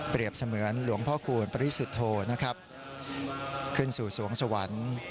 เสมือนหลวงพ่อคูณปริสุทธโธนะครับขึ้นสู่สวงสวรรค์